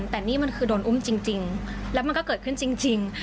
แต่นี่มันคือโดนอุ้มจริงแล้วมันก็เกิดขึ้นจริง